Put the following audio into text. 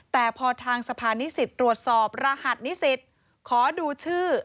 แต่พอทางสะพานนิสิตตรวจสอบรหัสนิสิตขอดูชื่อ